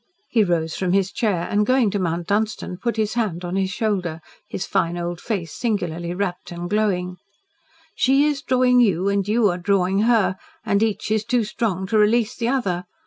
He rose from his chair, and going to Mount Dunstan put his hand on his shoulder, his fine old face singularly rapt and glowing. "She is drawing you and you are drawing her, and each is too strong to release the other.